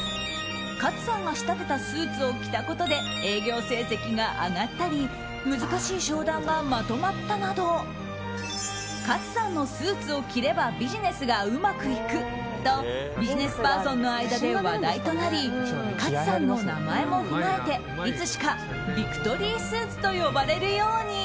勝さんが仕立てたスーツを着たことで営業成績が上がったり難しい商談がまとまったなど勝さんのスーツを着ればビジネスがうまくいくとビジネスパーソンの間で話題となり勝さんの名前も踏まえていつしかビクトリースーツと呼ばれるように。